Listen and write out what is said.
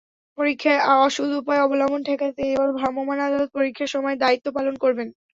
পরীক্ষায় অসদুপায় অবলম্বন ঠেকাতে এবার ভ্রাম্যমাণ আদালত পরীক্ষার সময় দায়িত্ব পালন করবেন।